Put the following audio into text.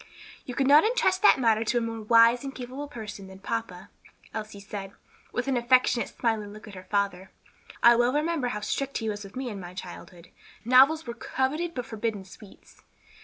"You could not intrust that matter to a more wise and capable person than papa," Elsie said, with an affectionate, smiling look at her father. "I well remember how strict he was with me in my childhood; novels were coveted but forbidden sweets."